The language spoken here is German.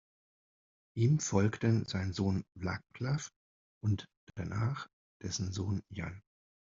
Ihm folgten sein Sohn Václav und danach dessen Sohn Jan.